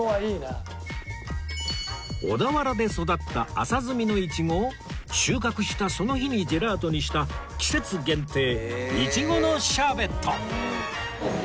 小田原で育った朝摘みのいちごを収穫したその日にジェラートにした季節限定いちごのシャーベット